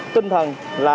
tinh thần là